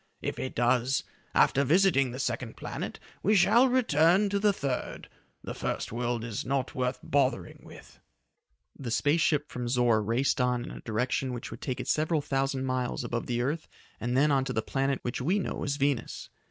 If it does, after visiting the second planet, we shall then return to the third. The first world is not worth bothering with." The space ship from Zor raced on in a direction which would take it several thousand miles above the earth and then on to the planet which we know as Venus.